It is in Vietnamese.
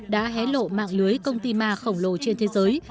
đã hé lộ mạng lưới công ty ma khổng lồ trên thế giới